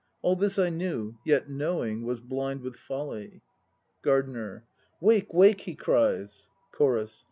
All this I knew; yet knowing, Was blind with folly. GARDENER. "Wake, wake," he cries CHORUS.